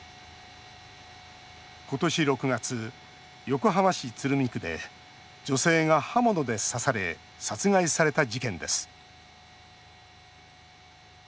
今年６月、横浜市鶴見区で女性が刃物で刺され殺害された事件です。